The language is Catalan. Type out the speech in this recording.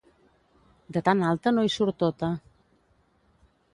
De tan alta no hi surt tota.